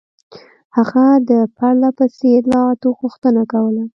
هغه د پرله پسې اطلاعاتو غوښتنه کوله.